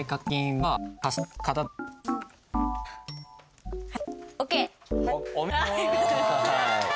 はい。